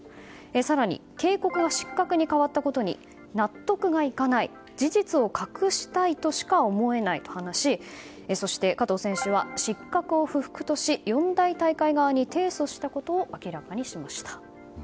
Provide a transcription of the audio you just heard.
更に警告が失格に変わったことに納得がいかない事実を隠したいとしか思えないと話しそして加藤選手は失格を不服とし四大大会側に提訴したことを明らかにしました。